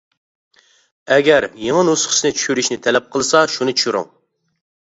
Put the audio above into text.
ئەگەر يېڭى نۇسخىسىنى چۈشۈرۈشنى تەلەپ قىلسا شۇنى چۈشۈرۈڭ!